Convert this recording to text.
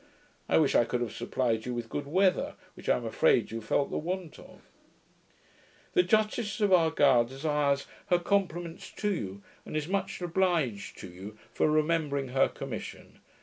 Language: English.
I wish I could have supplied you with good weather, which I am afraid you felt the want of. The Duchess of Argyle desires her compliments to you, and is much obliged to you for remembering her commission.